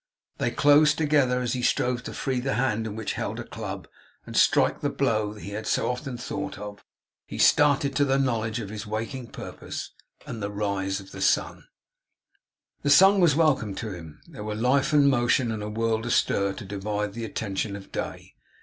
They closed together. As he strove to free the hand in which he held a club, and strike the blow he had so often thought of, he started to the knowledge of his waking purpose and the rising of the sun. The sun was welcome to him. There were life and motion, and a world astir, to divide the attention of Day.